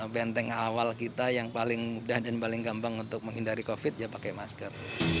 benteng awal kita yang paling mudah dan paling gampang untuk menghindari covid ya pakai masker